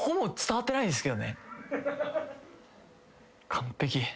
完璧。